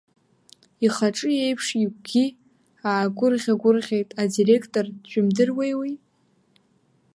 Ихаҿы еиԥш игәгьы аагәырӷьагәырӷьеит адиректор, джәымдыруеи уи?